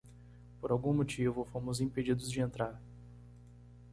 Por algum motivo,? fomos impedidos de entrar.